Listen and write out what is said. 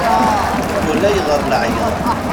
Ulayɣer leɛyaḍ.